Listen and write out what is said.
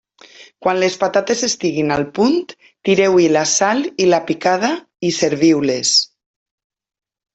Quan les patates estiguin al punt, tireu-hi la sal i la picada i serviu-les.